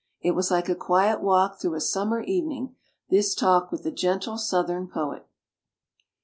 It was like a quiet walk through a sum mer evening, this talk with the gentle southern poet.